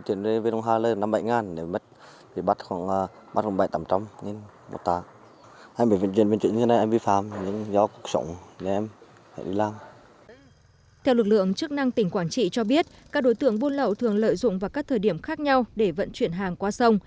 theo lực lượng chức năng tỉnh quảng trị cho biết các đối tượng buôn lậu thường lợi dụng vào các thời điểm khác nhau để vận chuyển hàng qua sông